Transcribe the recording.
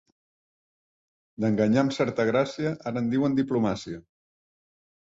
D'enganyar amb certa gràcia, ara en diuen diplomàcia.